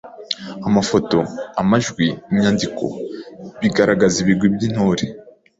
amafoto, amajwi, inyandiko bigaragaza ibigwi by’Intore